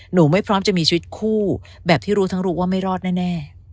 หนูไม่พร้อมจะมีชีวิตคู่แบบที่รู้ทั้งรู้ว่าไม่รอดแน่